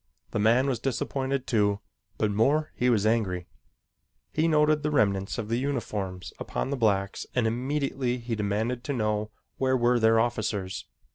The man was disappointed, too, but more was he angry. He noted the remnants of the uniforms upon the blacks and immediately he demanded to know where were their officers.